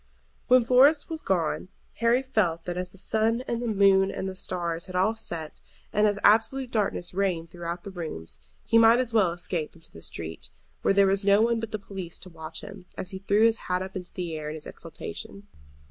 When Florence was gone Harry felt that as the sun and the moon and the stars had all set, and as absolute darkness reigned through the rooms, he might as well escape into the street, where there was no one but the police to watch him, as he threw his hat up into the air in his exultation.